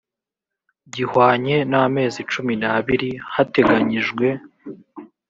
gihwanye n amezi cumi n abiri hateganyijwe